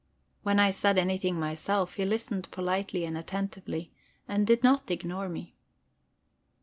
When I said anything myself, he listened politely and attentively, and did not ignore me.